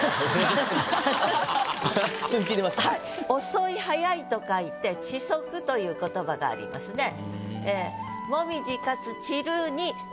「遅い速い」と書いて「遅速」という言葉がありますね。